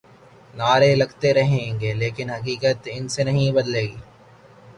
نعرے لگتے رہیں گے لیکن حقیقت ان سے نہیں بدلے گی۔